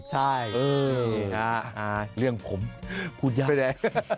ใช่เรื่องผมพูดยากไม่ได้